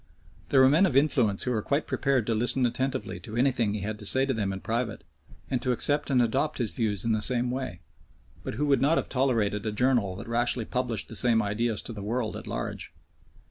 There were men of influence who were quite prepared to listen attentively to anything he had to say to them in private, and to accept and adopt his views in the same way, but who would not have tolerated a journal that rashly published the same ideas to the world at large.